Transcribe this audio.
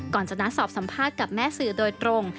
ก่อนจะนัดสอบสัมภาษณ์กับแม่สื่อโดยตรง